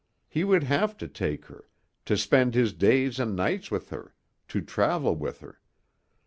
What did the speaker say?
He would have to take her, to spend his days and nights with her, to travel with her.